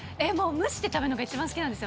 蒸して食べるのが一番好きなんですよ。